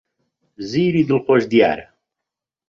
زیری دڵخۆش دیارە.